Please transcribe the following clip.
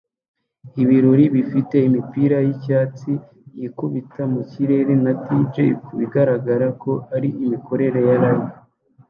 Ibirori bifite imipira yicyatsi yikubita mu kirere na DJ ku bigaragara ko ari imikorere ya Live